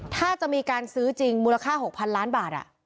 ถ้าจะมีการซื้อจริงมูลค่า๖๐๐ล้านบาท